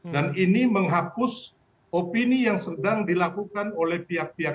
dan ini menghapus opini yang sedang dilakukan oleh pihak pihak